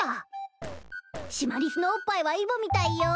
シマリスのおっぱいはイボみたいよ。